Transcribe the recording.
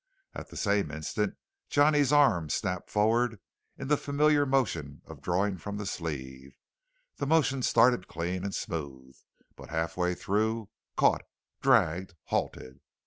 At the same instant Johnny's arm snapped forward in the familiar motion of drawing from the sleeve. The motion started clean and smooth, but half through, caught, dragged, halted.